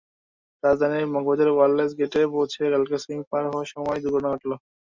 রাজধানীর মগবাজার ওয়্যারলেস গেটে পৌঁছে রেলক্রসিং পার হওয়ার সময় ঘটল দুর্ঘটনা।